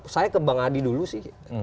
saya ke bang adi dulu sih